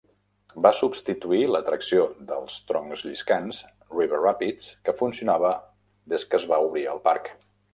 Va substituir l'atracció dels troncs lliscants, River Rapids, que funcionava des que es va obrir el parc.